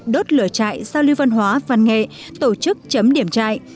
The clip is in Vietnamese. đốt lửa trại giao lưu văn hóa văn nghệ tổ chức chấm điểm trại